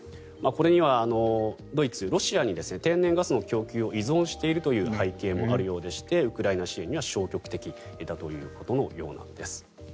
これにはドイツ、ロシアに天然ガスの供給を依存しているという背景もありましてウクライナ支援には消極的だということのようです。